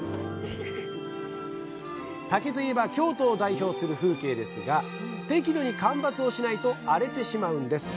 竹といえば京都を代表する風景ですが適度に間伐をしないと荒れてしまうんです。